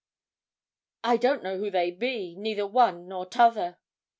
'I don't know who they be neither one nor t'other.'